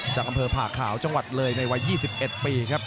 จากอำเภอผ่าขาวจังหวัดเลยในวัย๒๑ปีครับ